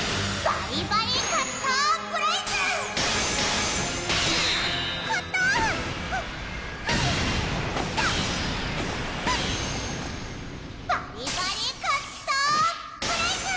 バリバリカッターブレイズ！